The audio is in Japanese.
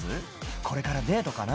これからデートかな？